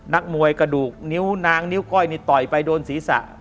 นักมวยกระดูกนิ้วนางนิ้วก้อยนี่ต่อยไปโดนศีรษะ